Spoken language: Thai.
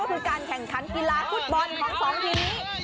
ก็คือการแข่งขันกีฬาฟุตบอลของสองทีมนี้